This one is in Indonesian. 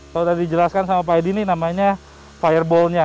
kalau sudah dijelaskan sama pak edi ini namanya fireball nya